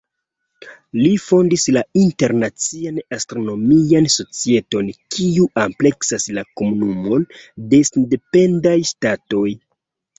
Li fondis la Internacian Astronomian Societon, kiu ampleksas la Komunumon de Sendependaj Ŝtatoj.